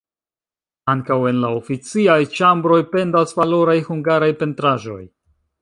Ankaŭ en la oficaj ĉambroj pendas valoraj hungaraj pentraĵoj.